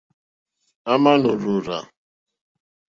À mà nò rzòrzá.